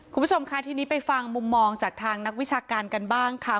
คุณผู้ชมค่ะทีนี้ไปฟังมุมมองจากทางนักวิชาการกันบ้างค่ะ